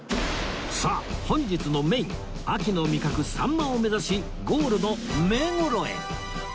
さあ本日のメイン秋の味覚さんまを目指しゴールの目黒へ